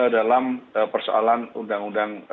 dalam persoalan undang undang